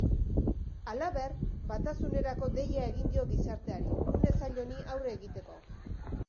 Halaber, batasunerako deia egin dio gizarteari, une zail honi aurre egiteko.